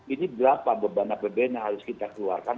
ini berapa beban apbn yang harus kita keluarkan